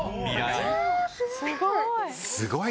すごい！